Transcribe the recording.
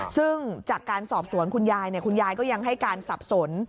ซึ่งจากการสอบสวนคุณยายคุณยายก็ยังให้การสับสน